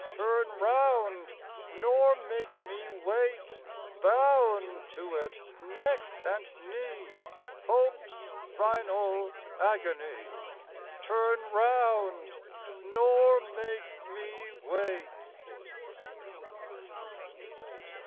Turn round! nor make me wait, Bound to it neck and knee, Hope's final agony! Turn round! nor make me wait.